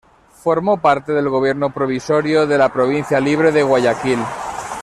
Formó parte del gobierno provisorio de la Provincia Libre de Guayaquil.